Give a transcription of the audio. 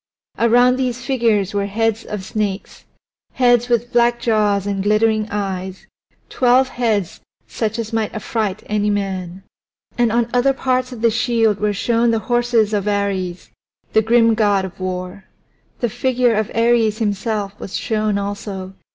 Around these figures were heads of snakes, heads with black jaws and glittering eyes, twelve heads such as might affright any man. And on other parts of the shield were shown the horses of Ares, the grim god of war. The figure of Ares himself was shown also.